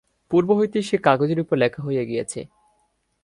পূর্ব হইতেই সে-কাগজের উপর লেখা হইয়া গিয়াছে।